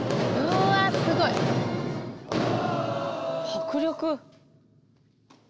迫力。